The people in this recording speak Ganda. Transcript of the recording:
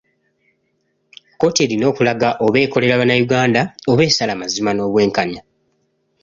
Kkooti erina okulaga oba ekolera bannayuganda oba esala mazima n’obwenkanya.